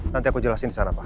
nanti aku jelasin disana pak